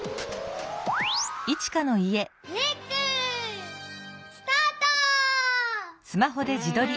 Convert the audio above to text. レックスタート！